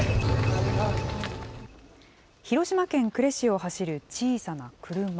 広島県呉市を走る小さな車。